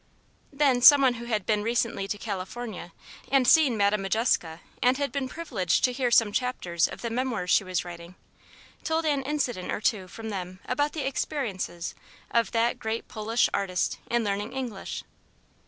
Then, some one who had been recently to California and seen Madame Modjeska and been privileged to hear some chapters of the memoirs she was writing, told an incident or two from them about the experiences of that great Polish artiste in learning English.